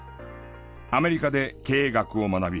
アメリカで経営学を学び